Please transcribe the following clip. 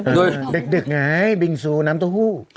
เด็กไงบิงซูน้ำโต้หู้